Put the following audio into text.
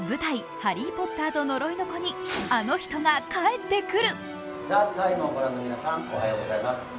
「ハリー・ポッターと呪いの子」にあの人が帰ってくる。